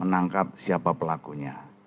menangkap siapa pelakunya